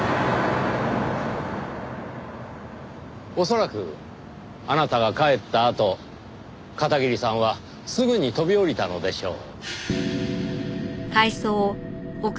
恐らくあなたが帰ったあと片桐さんはすぐに飛び降りたのでしょう。